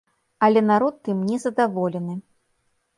Але народ тым незадаволены.